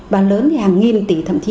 và lớn thì hàng nghìn tỷ thậm chí